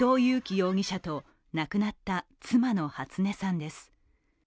容疑者と亡くなった妻の初音さんです。